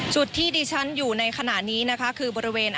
จุดที่ดิฉันอยู่ในขณะนี้นะคะคือบริเวณ